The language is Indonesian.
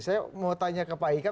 saya mau tanya ke pak hikam